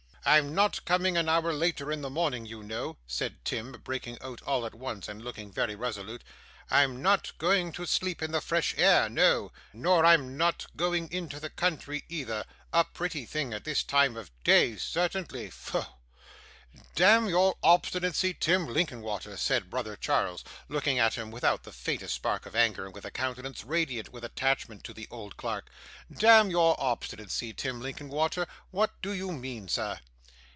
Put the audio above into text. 'I'm not coming an hour later in the morning, you know,' said Tim, breaking out all at once, and looking very resolute. 'I'm not going to sleep in the fresh air; no, nor I'm not going into the country either. A pretty thing at this time of day, certainly. Pho!' 'Damn your obstinacy, Tim Linkinwater,' said brother Charles, looking at him without the faintest spark of anger, and with a countenance radiant with attachment to the old clerk. 'Damn your obstinacy, Tim Linkinwater, what do you mean, sir?